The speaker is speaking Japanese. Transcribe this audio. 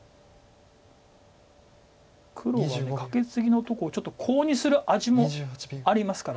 黒はカケツギのとこをちょっとコウにする味もありますから。